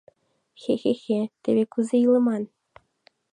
— Хе-хе-хе, теве кузе илыман.